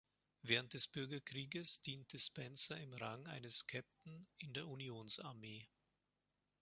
Während des Bürgerkrieges diente Spencer im Rang eines Captain in der Unionsarmee.